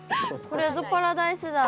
これぞパラダイスだ。